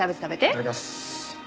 いただきます。